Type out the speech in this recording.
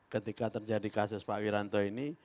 ketika terjadi kasus pak wiranto ini